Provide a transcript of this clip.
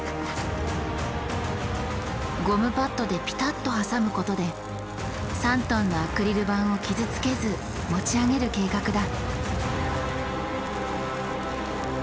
ゴムパッドでピタッと挟むことで３ｔのアクリル板を傷つけず持ち上げる計画だ。